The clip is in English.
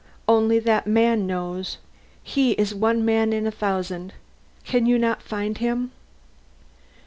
Only that man knows. He is one man in a thousand. Can not you find him?"